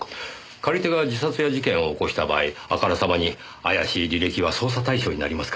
借り手が自殺や事件を起こした場合あからさまに怪しい履歴は捜査対象になりますからね。